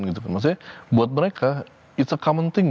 maksudnya buat mereka it s a common thing